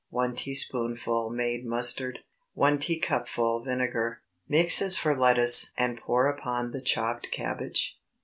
1 teaspoonful made mustard. 1 teacupful vinegar. Mix as for lettuce and pour upon the chopped cabbage.